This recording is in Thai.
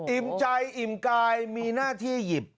ใจอิ่มกายมีหน้าที่หยิบ